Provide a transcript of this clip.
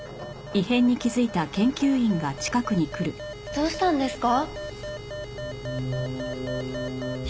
どうしたんですか？